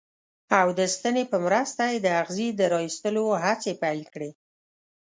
او د ستنې په مرسته یې د اغزي د را ویستلو هڅې پیل کړې.